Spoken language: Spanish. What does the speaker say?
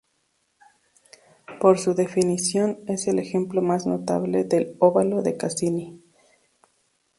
Por su definición, es el ejemplo más notable de óvalo de Cassini.